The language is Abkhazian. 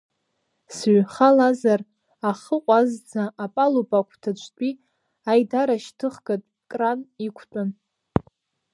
Сыҩхалазар, ахы ҟәазӡа апалуба агәҭаҿтәи аидарашьҭыхгатә кран иқәтәан.